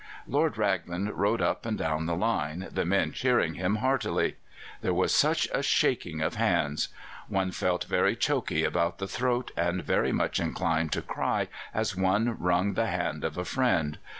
"Lord Raglan rode up and down the line, the men cheering him heartily. There was such a shaking of hands. One felt very choky about the throat and very much inclined to cry as one wrung the hand of a friend.